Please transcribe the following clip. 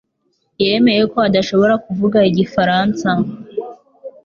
Yemeye ko adashobora kuvuga igifaransa.